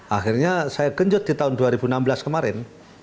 akhirnya saya genjot di tahun dua ribu enam belas kemarin